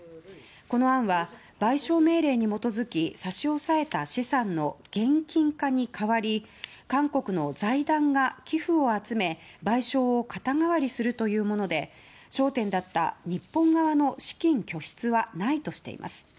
この案は賠償命令に基づき差し押さえた資産の現金化に代わり韓国の財団が寄付を集め賠償を肩代わりするというもので焦点だった日本側の資金拠出はないとしています。